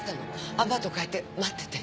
アパート帰って待ってて！